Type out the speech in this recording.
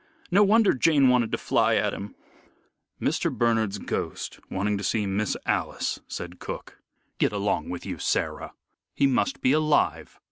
No wonder Jane wanted to fly at him." "Mr. Bernard's ghost wanting to see Miss Alice!" said cook. "Get along with you, Sarah! He must be alive.